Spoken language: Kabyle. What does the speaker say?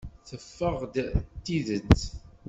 Teffeɣ-d d tidet.